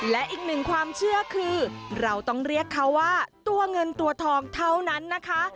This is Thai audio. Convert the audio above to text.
และอีกหนึ่งความเชื่อคือเราต้องเรียกเขาว่าตัวเงินตัวทองเท่านั้นนะคะ